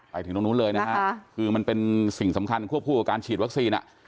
ไปถึงตรงนู้นเลยนะฮะคือมันเป็นสิ่งสำคัญควบคู่กับการฉีดวัคซีน